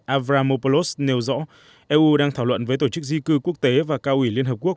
avra mobilos nêu rõ eu đang thảo luận với tổ chức di cư quốc tế và cao ủy liên hợp quốc